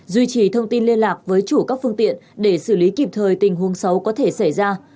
duy trì thông tin liên lạc với chủ các phương tiện để xử lý kịp thời tình huống xấu có thể xảy ra